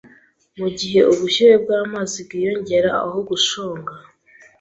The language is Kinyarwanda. Mugihe ubushyuhe bwamazi bwiyongera aho gushonga